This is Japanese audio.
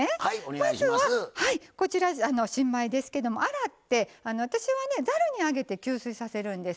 まずは、新米ですけど、洗って私はざるに上げて吸水させるんです。